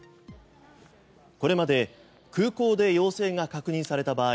これまで空港で陽性が確認された場合